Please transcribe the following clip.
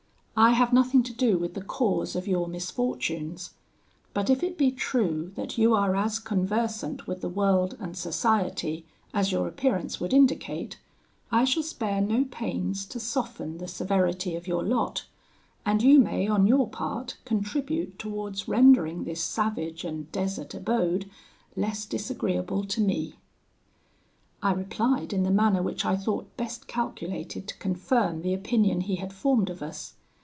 I have nothing to do with the cause of your misfortunes; but if it be true that you are as conversant with the world and society as your appearance would indicate, I shall spare no pains to soften the severity of your lot, and you may on your part contribute towards rendering this savage and desert abode less disagreeable to me.' I replied in the manner which I thought best calculated to confirm the opinion he had formed of us.